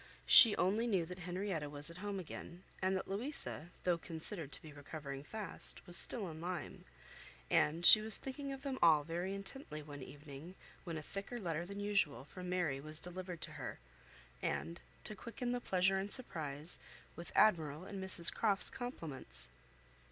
She only knew that Henrietta was at home again; and that Louisa, though considered to be recovering fast, was still in Lyme; and she was thinking of them all very intently one evening, when a thicker letter than usual from Mary was delivered to her; and, to quicken the pleasure and surprise, with Admiral and Mrs Croft's compliments.